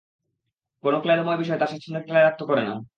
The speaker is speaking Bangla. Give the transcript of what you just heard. কোন ক্লেদময় বিষয় তাঁর স্বাচ্ছন্দকে ক্লেদাক্ত করে না।